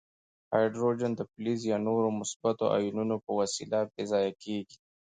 هایدروجن د فلز یا نورو مثبتو آیونونو په وسیله بې ځایه کیږي.